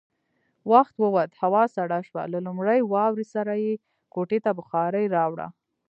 وخت ووت، هوا سړه شوه، له لومړۍ واورې سره يې کوټې ته بخارۍ راوړه.